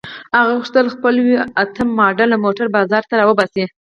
هغه غوښتل خپل وي اته ماډل موټر بازار ته را وباسي.